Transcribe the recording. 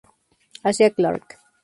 Asia" Clark.